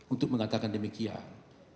untuk mengatakan demikian